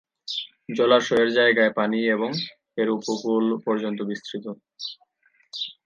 জলাশয়ের জায়গায় পানি এবং এর উপকূল পর্যন্ত বিস্তৃত।